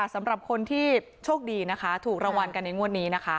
สำหรับคนที่โชคดีนะคะถูกรางวัลกันในงวดนี้นะคะ